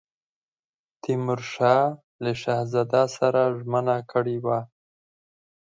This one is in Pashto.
تیمورشاه له شهزاده سره ژمنه کړې وه.